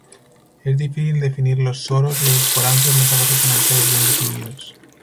Es difícil definir los soros, los esporangios no se agrupan en soros bien definidos.